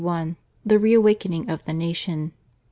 THE RE AWAKENING OF THE NATION.